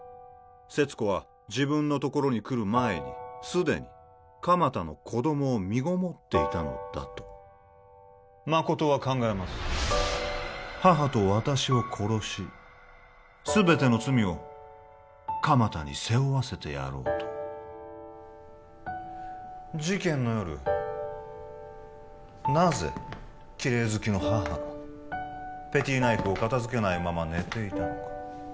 勢津子は自分の所に来る前にすでに鎌田の子どもをみごもっていたのだと誠は考えます母と私を殺し全ての罪を鎌田に背負わせてやろうと事件の夜なぜきれい好きの母がペティナイフを片づけないまま寝ていたのか？